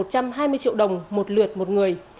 tối đa là một trăm hai mươi triệu đồng một lượt một người